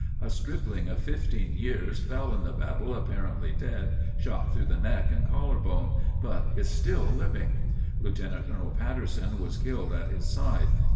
A stripling of fifteen years fell in the battle apparently dead, shot through the neck and collar bone, but is still living. Lieutenant Colonel Patterson was killed at his side.